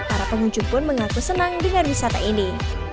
para pengunjung pun mengaku senang dengan wisata ini